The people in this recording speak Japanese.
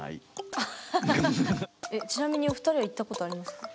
ちなみにお二人は行ったことありますか？